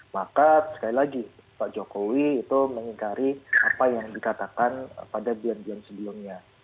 maka sekali lagi pak jokowi itu mengingkari apa yang dikatakan pada bulan bion sebelumnya